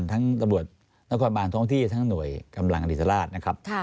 ตำรวจนครบานท้องที่ทั้งหน่วยกำลังอริสราชนะครับ